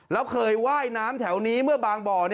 แล้วเคยว่ายน้ำแถวนี้เมื่อบางบ่อ